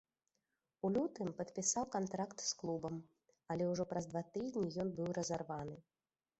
У лютым падпісаў кантракт з клубам, але ўжо праз два тыдні ён быў разарваны.